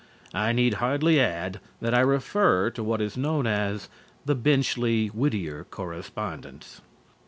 I need hardly add that I refer to what is known as the "Benchley Whittier Correspondence."